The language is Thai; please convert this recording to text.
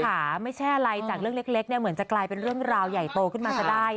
ค่ะไม่ใช่อะไรจากเรื่องเล็กเนี่ยเหมือนจะกลายเป็นเรื่องราวใหญ่โตขึ้นมาซะได้